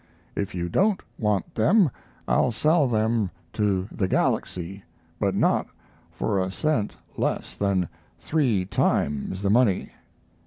If you don't want them I'll sell them to the Galaxy, but not for a cent less than three times the money....